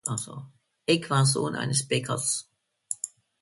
Eck war Sohn eines Bäckers.